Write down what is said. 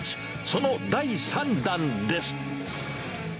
その第３弾です。